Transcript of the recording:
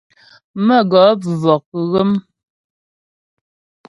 Mə̌gɔp vɔk ghə́m.